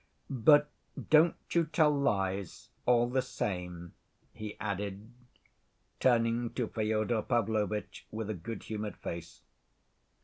But don't you tell lies all the same," he added, turning to Fyodor Pavlovitch with a good‐humored face.